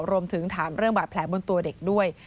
รวมถึงถามเรื่องบาดแผลบนตัวเด็กด้วย